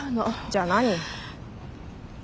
じゃあ何？